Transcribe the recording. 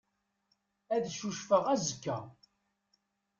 Ad cucfeɣ azekka.